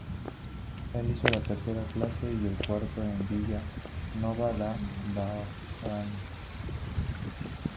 Él hizo la tercera clase y el cuarto en Vila Nova da Baronia.